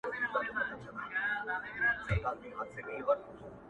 گوره له تانه وروسته؛ گراني بيا پر تا مئين يم؛